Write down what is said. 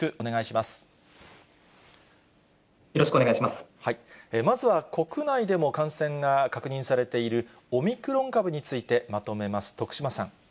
まずは、国内でも感染が確認されているオミクロン株について、まとめます。